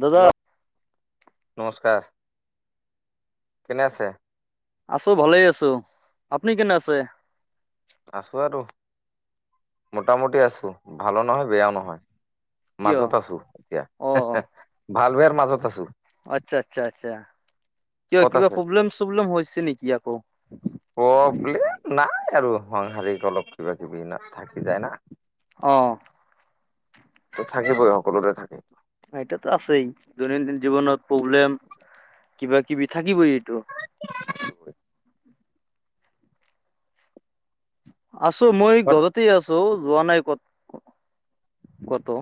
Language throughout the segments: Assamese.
দাদা। হেল্ল' নমস্কাৰ। কেনে আছে? আছোঁ ভালে আছোঁ। আপুনি কেনে আছে? আছোঁ আৰু। মটামুটি আছোঁ, ভালো নহয় বেয়াও নহয়। কিয় মাজত আছোঁ এতিয়া, [unintelligible] ভাল বেয়াৰ মাজত আছোঁ। অহ, আচ্ছা আচ্ছা আচ্ছা। কিয় ক'ত কিবা আছে প্ৰব্লেম চব্লেম হৈছে নেকি আকৌ। প্ৰব্লেম নাই আৰু সংসাৰিক অলপ কিবা কিবি থাকি যায় না। অহ। সেইটো থাকিবই, সকলোৰে থাকে। এইটো টো আছেই, দৈনন্দিন জীৱনত প্ৰব্লেম কিবা কিবি থাকিবই। এইটো আছো মই ঘৰতে আছোঁ যোৱা নাই ক'তো। ক'তো।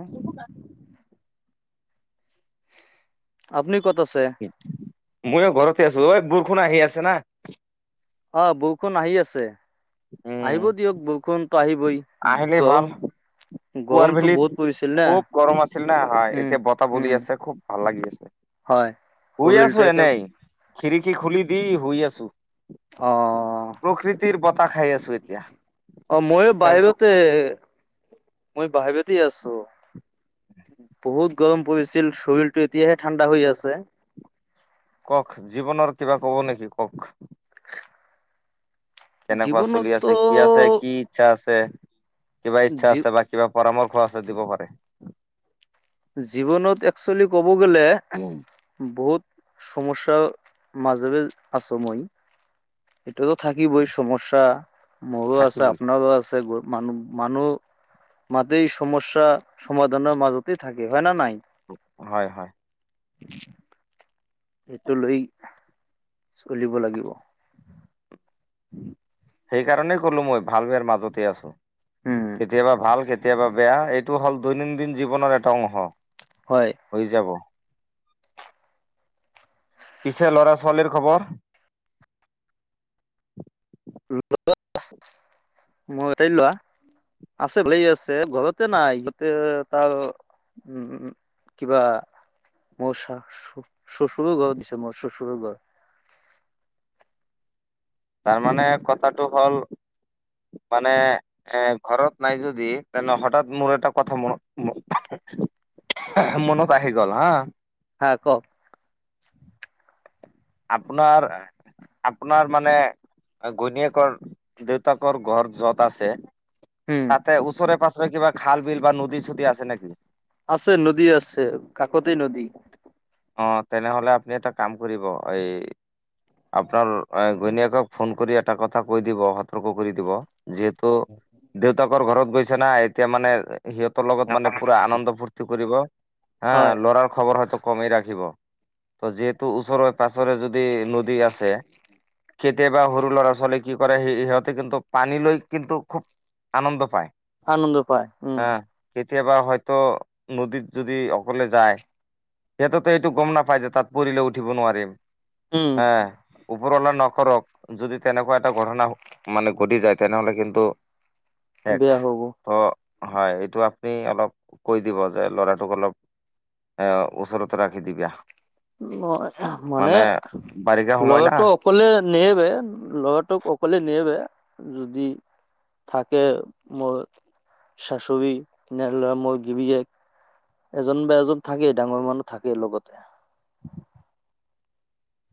আপুনি ক'ত আছে? মই ঘৰতে আছোঁ। ঐ বৰষুন আহি আছে না। অহ, বৰষুণ আহি আছে, উম আহিব দিয়ক বৰষুণ। আহিবই। আহিলেই গৰম, ভাল পুৱাৰ গৰমতটো বেলিত বহুত পৰিছে। খুব গৰম আছিল না, হয়, এতিয়া বতাহ উম বলি আছে খুব ভাল লাগি গৈছে। হয় শুই শৰীৰটো আছোঁ একে এনেই। খিৰিকী খুলি দি শুই আছোঁ। অ প্ৰকৃতিৰ বঁতাহ খাই আছোঁ এতিয়া। অঁ, মইও ফেনটো বাহিৰতেই, মই বাহিৰত তেই আছোঁ। বহুত গৰম পৰিছিল শৰীৰটো এতিয়াহে ঠাণ্ডা হৈ আছে। কওকঁ। জীৱনৰ কিবা ক'ব নেকি কওকঁ। কেনেকুৱা চলি জীৱনততো আছে, কি আছে কি ইচ্ছা আছে। তে কিবা ইচ্ছা জী আছে বা কিবা পৰামৰ্শ আছে দিব পাৰে। জীৱনত একচুৱেলি ক'ব গ'লে বহুত সমস্যা মাজৰে আছোঁ মই। এইটো থাকিবিই সমস্যা। মোৰো আছে থাকিবই আপোনাৰো আছে গ মানুহ, মানুহ মাতেই সমস্যা সমাধানৰ মাজতেই থাকে, হয় না নাই? হয়, হয়। এইটো লৈ চলিব লাগিব। সেইকাৰণেই কলো মই ভাল বেয়াৰ মাজতে আছোঁ। উম কেতিয়াবা ভাল, কেতিয়াবা বেয়া, এইটো হ'ল দৈনন্দিন জীৱনৰ এটা অংশ। হয় হৈ যাব। পিছে ল'ৰা ছোৱালীৰ খবৰ? মোৰ এটাই ল'ৰা। আছে, ভালে আছে, ঘৰতে নাই ই গতে তাৰ উম কিবা, মোৰ চা শ্বশুৰৰ ঘৰত গিছে, মোৰ শ্বশুৰৰ ঘৰত। তাৰমানে কথাটো হ'ল মানে এ ঘৰত নাই যদি তেনে হঠাৎ মোৰ এটা কথা মনত মনত আহি গ'ল হা। হা কওক আপোনাৰ আপোনাৰ মানে ঘৈণীয়েকৰ দেউতাকৰ ঘৰ যত আছে উম তাতে ওচৰে পাজৰে কিবা খাল বিল বা নদী চদী আছে নেকি? আছে নদী আছে। কাষতেই নদী। অঁ, তেনেহলে আপুনি এটা কাম কৰিব এই আপোনাৰ ঘৈনীয়েকক ফোন কৰি এটা কথা কৈ দিব, সতৰ্ক কৰি দিব যিহেতু দেউতাকৰ ঘৰত গৈছে না, এতিয়া মানে সিহঁতৰ লগত মানে পুৰা আনন্দ ফূৰ্তি কৰিব, হা, হয় ল'ৰাৰ খবৰ হয়তো কমেই ৰাখিব, যিহেতু ওচৰত পাছৰে যদি নদী আছে, কেতিয়াবা সৰু ল'ৰা ছোৱালীক কি কৰে, সিহঁতে কিন্তু পানী লৈ কিন্তু খুব আনন্দ পায়। আনন্দ পাই, উম। হা কেতিয়াবা হয়তো নদীত যদি অকলে যায় সিহঁততো এইটো গম নাপাই যে তাত পৰিলে উঠিব নোৱাৰিম, উম হে! ওপৰৱালাই নকৰক, যদি তেনেকুৱা এটা ঘটনা মানে ঘটি যায়, তেনেহলে কিন্তু এক, বেয়া হ'ব অঁ হয়, এইটো আপুনি অলপ কৈ দিব যে ল'ৰাটোক অলপ এ ওচৰত ৰাখি দিবা। অঁ, মানে বাৰিষা সময় না লৰাটো অকলে নব [unintelligible] ল'ৰাটোক অকলে নেৰে যদি থাকে মোৰ সাসুৰি, [unintelligible] এজন বা এজন থাকেই, ডাঙৰ মানুহ থাকেই লগতে।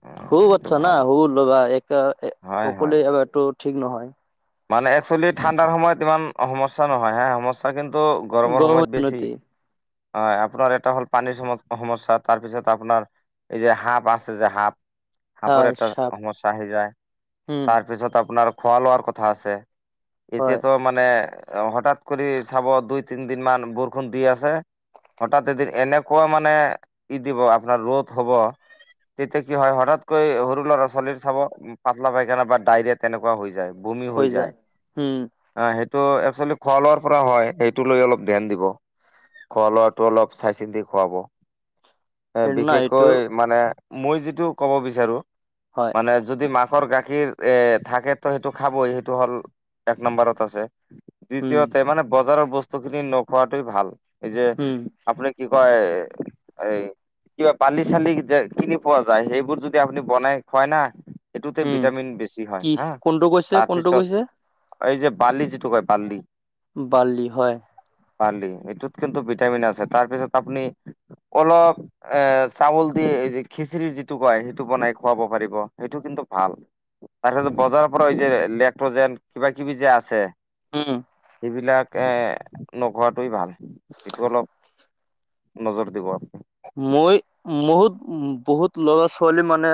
উম, সৰু সেইটো বাচ্ছা না! ভাল [unintelligible] হয় হয় অকলে এৰটো ঠিক নহয়। মানে একচুৱেলি ঠাণ্ডাৰ সময়ত ইমান সমস্যা নহয় হা, সমস্যা কিন্তু গৰমৰ সময়ত বেছি, হয় আপোনাৰ এটা হ'ল পানীৰ সমস্যাত তাৰপিছত আপোনাৰ এই যে সাপ আছে যে সাপ সাপৰ হয় এটা চাপ সমস্যা আহি যায়, উম তাৰপিছত আপোনাৰ খোৱা লোৱাৰ কথা আছে। হয় এতিয়াতো মানে হঠাৎ কৰি চাব দুই তিনি দিন মান বৰষুণ দি আছে হঠাৎ এদিন এনেকুৱা মানে ই দিব আপোনাৰ ৰ'দ হব তেতিয়া কি হয় হঠাতকৈ সৰু ল'ৰা ছোৱালীৰ চাব পাতলা পাইখানা বা ডাইৰিয়া তেনেকুৱা হৈ যায়। বমি হৈ যায়। উম অঁ, সেইটো আচলতে খোৱা লোৱাৰ পৰা হয়। সেইটো লৈ অলপ ধ্যান দিব, খোৱা লোৱাটো অলপ চাই চিন্তি খোৱাব। এ সেইটো ন এইটো বিশেষকৈ মানে মই যিটো ক'ব বিচাৰো, হয় মানে যদি মাক ৰ গাখীৰ এ থাকেতো সেইটো খাবই, সেইটো হ'ল এক নম্বাৰত আছে। উম দ্বিতীয়তে মানে বজাৰৰ বস্তু খিনি নোখোৱাটোই ভাল, এই যে উম আপুনি কি কয়, এই কিবা বালি চালি যে কি কি পোৱা যায়, সেইবোৰ যদি আপুনি বনাই খুৱাই না সেইটোতে উম ভিটামিন বেছি হয় কি হা, কোনটো কৈছে কোনটো তাৰপিছত কৈছে এই যে বালি যিটো কয় বাল্লি। বাল্লি, হয়। বালি, এইটোত কিন্তু ভিটামিন আছে, তাৰপিছত আপুনি অলপ এ চাউল দি খিচিৰি যিটো কয়, সেইটো বনাই খুৱাব পাৰিব, সেইটো কিন্তু ভাল, তাৰিছ বজাৰৰ পৰা যে ইলেক্ট্ৰজন কিবা কিবি যে আছে। উম। এইবিলাক এ নোখোৱাটোৱেই ভাল, সেইটো অলপ নজৰ দিব। মই বহুত লৰা ছোৱালী মানে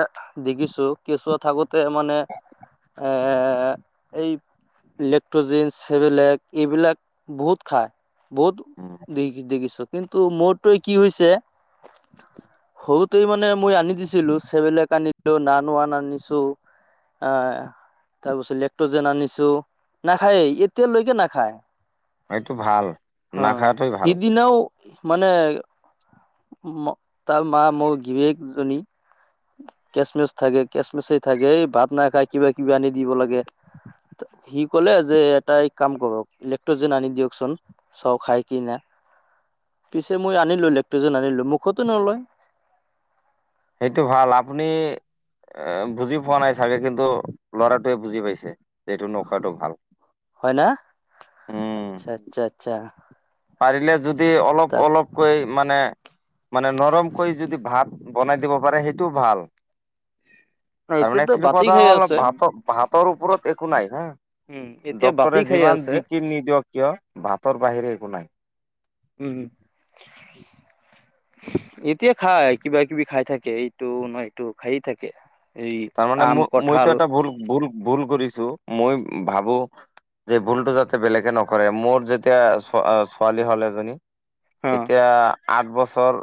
দেখিছো কেঁচুৱা থাকোতে তে মানে এ এই ইলেক্ট্ৰজিন, চেৰেলেক, এইবিলাক বহুত খায়। বহুত উম, দে দেখিছ। কিন্তু মোৰটোৱে কি হৈছে সৰুতেই মানে মই আনি দিছিলো চেৰেলেক আনিলো নানোৱা আনিছো আহ, তাৰপিছত লেক্ট্ৰযেন আনিছো, নাখাইয়ে, এতিলৈকে নাখায়। এইটো ভাল হা, নাখাৱাটোৱেই ভাল সিদিনাও মানে তাৰ মা, মোৰ গীৰীয়েকজনি কেচমিচাই থাকে, কেচমিচাই থাকে, এই ভাত নাখাই কিবা কিবি আনি দিব লাগে। সি কলে যে এটা কাম কৰক ইলেক্ট্ৰজন আনি দিয়কচোন, চাওঁ খাই কি না। পিছে মই আনিলো, লেকটোযেন আনিলো, মুখতে নলয়। সেইটো ভাল, আপুনি এ বুজি পোৱা নাই চাগে, কিন্তু ল'ৰাটোৱে বুজি পাইছে যে এইটো নোখোৱাটো ভাল। হয় ন? উম আচ্ছা, আচ্ছা, আচ্ছা। পাৰিলে যদি অলপ অলপকৈ মানে মানে নৰম কৈ যদি ভাত বনাই দিব পাৰে, সেইটোও ভাল। তাৰ মানে এতিয়াতো যিটো বাতি কথা খাই হ'ল আছে ভাতৰ, ভাতৰ ওপৰত একো নাই হা। উম এতিয়া বাতি ডক্তৰে খাই যিমান আছে জিকি নিদিয়ক কিয়, ভাতৰ বাহিৰে একো নাই। উম। এতিয়া খায়, কিবা-কিবি খাই থাকে। এইটো নহয় এইটো খায়ে থাকে। এই তাৰ মানে আম মই, কঠাল মইতো এটা ভুল ভুল কৰিছো, মই ভাবো যে ভুলতটো যাতে বেলেগে নকৰে কৰে মোৰ যেতিয়া ছোৱা, ছোৱালী হ'ল এজনী হ এতিয়া আঠ বছৰ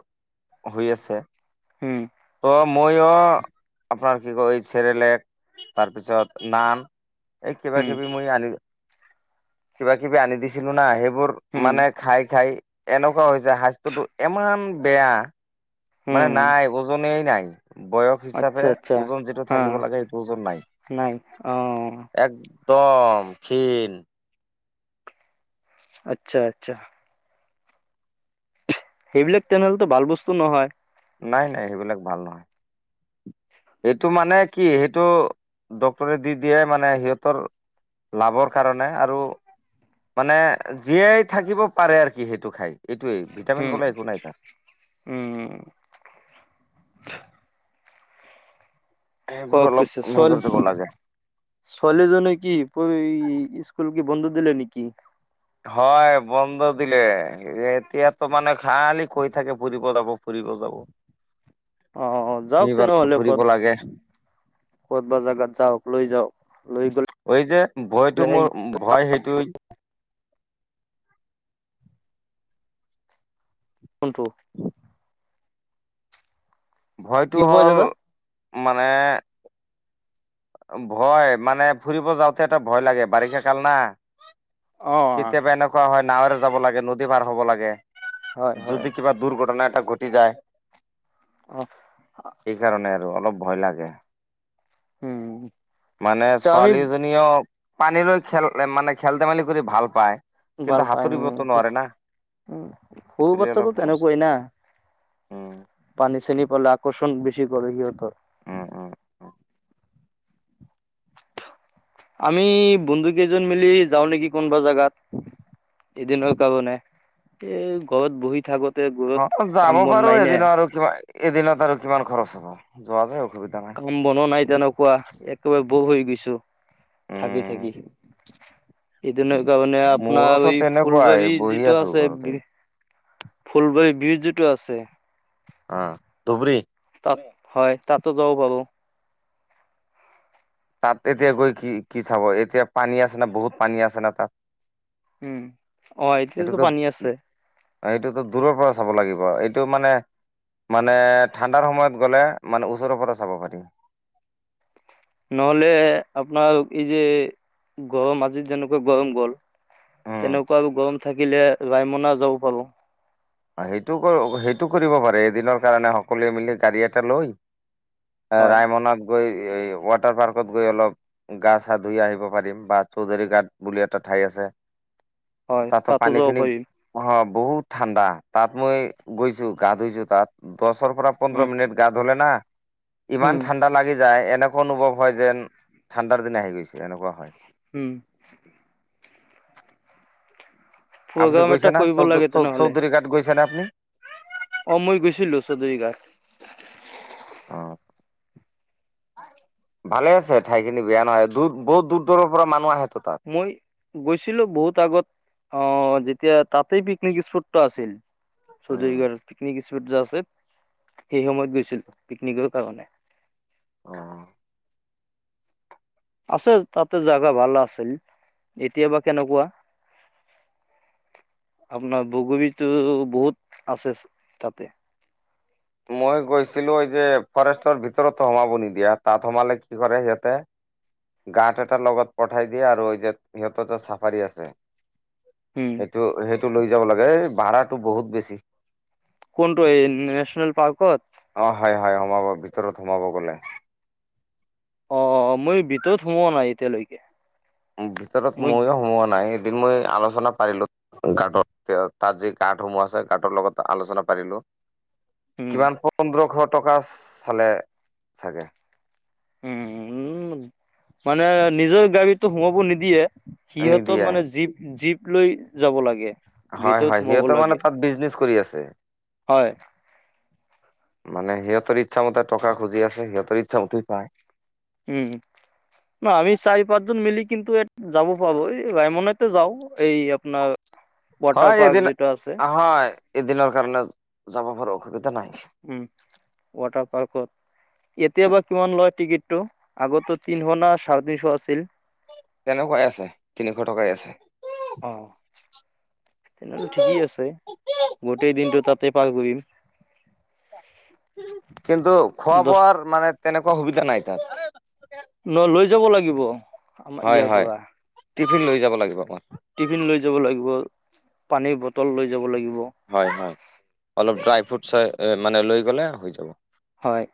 হৈ আছে। উম ময়ো, আপোনাৰ কি কয় এই চেৰেলেক তাৰপিছত নান এই উম কিবা-কিবি মই আনি। কিবা -কিবি আনি দিছিলোঁ না আহিব মোৰ উম মানে খাই খাই এনেকুৱা হৈছে, স্বাস্থ্যতটো ইমান বেয়া মানে উম নাই, ওজনেই নাই। বয়স হিচাপে আচ্ছা আচ্ছা ওজন যিটো হা থাকিব লাগে, সেইটো ওজন নাই। নাই অহ। কম ক্ষীণ। আচ্ছা, আচ্ছা। সেইবিলাক তেনেহলেটো ভাল বস্তু নহয়? নাই, নাই, সেইবিলাক ভাল নহয়। এইটো মানে কি, সেইটো ডক্তৰে দি দিয়াই মানে সিহঁতৰ লাভৰ কাৰণে আৰু মানে জীয়াই থাকিব পাৰে আৰু সি সেইটো খায়। এইটোৱেই, ভিটামিন উম পাৱলৈ একো নাই তাৰ। উম কওক অলপ পিছে, নজৰ ছোৱালী, দিব লাগে। ছোৱালীজনীয়ে কি এ স্কুল কি বন্ধ দিলে নেকি? হয়, বন্ধ দিলে। এতিয়াতো মানে খালি কৈ থাকে ফুৰিব যাব, ফুৰিব যাব। অহ, যাওঁক এইবাৰ তেনেহ'লে‌ ফুৰিব ক'ত লাগে ক'তব জাগাত যাওঁক লৈ যাওঁক। এই যে ভয়টো মোৰ, ভয় সেইটোই। কোনটো? ভয়টো কি হ'ব হ'ল দাদা মানে ভয় মানে ফুৰিব যাওঁতে এটা ভয় লাগে, বাৰিষা কাল না। অ কেতিয়াবা এনেকুৱা হয়, নাৱৰে যাব লাগে নদী পাৰ হ'ব লাগে। হয় হয় যদি কিবা দুৰ্ঘটনা এটা ঘটি যায়। অ সেইকাৰণে আৰু অলপ ভয় লাগে। উম মানে আমি ছোৱালীজনীও পানী লৈ খেল, মানে খেল-ধেমালি কৰি ভাল পায়, ভাল কিন্তু পায় সাঁতুৰিবতো নোৱাৰে না। উম, সৰু সেইটোলে অলপ বাচ্ছাটো সমস্যা এনেকোৱাই না। উম পানী চিনি পালে আকৰ্ষণ বেছি কৰে, সিহঁতৰ। উম উম উম। আমি বন্ধু কেইজন মিলি যাওঁ নেকি কোনোবা জাগাত? এদিনৰ কাৰণে, এ ঘৰত বহি থাকো অহ, যাব পাৰো, এদিনৰ আৰু এদিনত আৰু কিমান হ'ব। যোৱাতো হ'ব কাম বনোৱা নাই তেনেকুৱা, একেবাৰে হৈ গৈছো উম থাকি-থাকি। এদিনৰ কাৰণে, আপোনাৰ মোৰোতো এঈ তেনেকুৱাই ফুলবাৰী বহি যিটো আছো আছে। ঘৰতে ফুলবাৰী ব্ৰিজ যিটো আছে। অহ, ধুবুৰী। হয়, তাতো যাব পাৰোঁ। তাত এতিয়া গৈ কি কি চাব। এতিয়া পানী আছে না, বহুত পানী আছে না তাত। উম। অহ, এতিয়াতো পানী আছে। সেইটোতো দূৰৰ পৰা চাব লাগিব। এইটো মানে মানে ঠাণ্ডাৰ সময়ত গ'লে, মানে ওচৰৰ পৰা চাব পাৰিম। [unintelligible] নহ'লে আপোনাৰ এই যে, গৰম আজি যেনেকৈ গৰম গ'ল। উম তেনেকুৱা আৰু গৰম থাকিলে ৰায়মনা যাব পাৰোঁ। অহ' সেইটো ক, সেইটো কৰিব পাৰে এদিনৰ কাৰণে সকলোৱে মিলি গাড়ী এটা লৈ। হয় ৰায়মনত গৈ এই ৱাটাৰ পাৰ্কত গৈ অলপ গা চা ধুই আহিব পাৰিম বা চৌধুৰী গাট বুলি এটা ঠাই আছে। হয় তাতো যাব পানীখিনি পাৰিম অহ। বহুত ঠাণ্ডা তাত মই গৈছোঁ, গা ধুইছোঁ তাত। দচৰ পৰা পোন্ধৰ উম মিনট গা ধলো না ইমান উম ঠাণ্ডা লাগি যায় এনেকুৱা অনুভৱ হয় যেন ঠাণ্ডাৰ দিন আহি গৈছে। এনেকুৱা হয়। উম। আপুনি প্ৰগ্ৰাম এটা গৈছে ন কৰিব চৌ, লাগে চৌ, চৌধুৰী ঘাট গৈছে নে আপুনি? অঁ, মই গৈছিলো চৌধুৰী ঘাট। অঁ। ভালে আছে ঠাইখিনি বেয়া নহয়। দূৰ, বহুত দূৰ দূৰৰ পৰা মানুহ আহে। মই গৈছিলোঁ বহুত আগত, অহ। যেতিয়া তাতেই পিকনিক স্পটটো আছিল, উম, চৌধুৰীপাৰ পিকনিক স্পট [unintelligible] সেই সময়ত গৈছিল পিকনিকৰ কাৰণে। অহ। আছে তাতে জোগা ভাল আছিল, এতিয়া বা কেনেকুৱা। আপোনাৰ বগৰীটো বহুত আছে তাতে। মই গৈছিলোঁ এই যে ফৰেষ্টৰ ভিতৰতো সোমাব নিদিয়া, তাত সোমালে কি কৰে সিহঁতে। গাৰ্ড এটা লগত পঠাই দিয়া আৰু যে সিহঁততে চাফাৰী আছে। উম সেইটো সেইটো লৈ যাব লাগে। এই ভাড়াটো বহুত বেছি। কোনটো? এই নেশচনল পাৰ্কত? অ', হয়, হয়, সোমাব, ভিতৰত সোমাব বোলে। অঁ, অঁ, মই ভিতৰত সোমোৱা নাই এতিয়ালৈকে। ভিতৰত মই ময়ো সোমোৱা নাই। এদিন মই আলোচনা পাৰিলো, ঘাটত, তাত যি ঘাটসমূহ আছে ঘাটৰ লগত আলোচনা পাৰিলো। [unintelligible] কিমান, পোন্ধৰশ টকা চালে চাগে। উম, উম, মানে নিজৰ গাড়ীটো সোমোৱাব নিদিয়ে। সিহঁতৰ নিদিয়ে মানে জীপ জীপ লৈ যাব লাগে। হয়, ভিতৰত হয়, সোমাব সিহঁতেৰ মানে লাগে তাত বিজনেচ কৰি আছে। হয় মানে সিহঁতৰ ইচ্ছামতে টকা খুজি আছে, সিহঁতৰ ইচ্ছামতেই পায়। উম। ন' আমি চাৰি পাঁচজন মিলি কিন্তু যাব পাব, এই ৰায়মনতে যাওঁ, এই আপোনাৰ ৱাটাৰ হয় পাৰ্ক এদিন, যিটো আছে হয় এদিনৰ কাৰণে যাব পাৰু অসুবিধা নাই। উম, ৱাটাৰ পাৰ্কত। এতিয় বা কিমান লয় টিকটটো। আগতে তিনিশ নে চাৰে তিনিশ আছিল। তেনেকুৱাই আছে, তিনিশ টকাই আছে। অ তেনেহলে ঠিকেই আছে, গোটেই দিনটো তাতে পাৰ কৰিম। কিন্তু খোৱা দহ বোৱাৰ মানে তেনেকুৱা সুবিধা নাই তাত। ন লৈ যাব লাগিব আমাৰ হয় ইয়াৰ হয় পৰা। টিফিন লৈ যাব লাগিব অঁ। টিফিন লৈ যাব লাগিব, পানীৰ বটল লৈ যাব লাগিব। হয়, হয়। অলপ ড্ৰাই ফ্ৰুটচ মানে লৈ গ'লে হৈ যাব। হয়।